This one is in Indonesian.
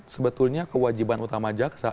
sebetulnya kewajiban utama jaksa